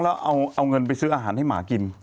แล้วเอาเงินไปซื้ออาหารให้หมากิน